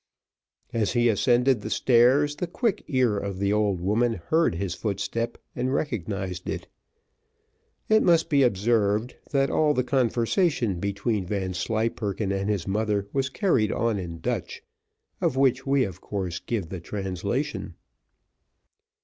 As he ascended the stairs, the quick ear of the old woman heard his footstep, and recognised it. It must be observed, that all the conversation between Vanslyperken and his mother was carried on in Dutch, of which we, of course, give the translation.